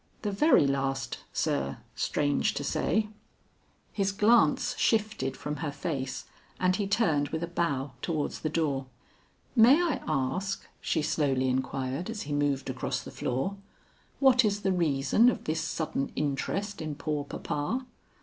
"The very last, sir; strange to say." His glance shifted from her face and he turned with a bow towards the door. "May I ask," she slowly inquired as he moved across the floor, "what is the reason of this sudden interest in poor papa?"